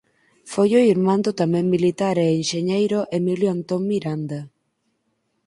Foi o irmán do tamén militar e enxeñeiro Emilio Antón Miranda.